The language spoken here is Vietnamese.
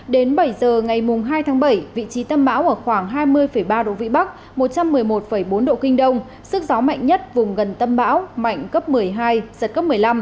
đến bảy giờ ngày hai tháng bảy vị trí tâm bão ở khoảng hai mươi ba độ vĩ bắc một trăm một mươi một bốn độ kinh đông sức gió mạnh nhất vùng gần tâm bão mạnh cấp một mươi hai giật cấp một mươi năm